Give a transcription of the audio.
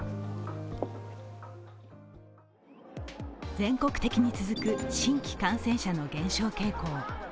全国的に続く新規感染者の減少傾向。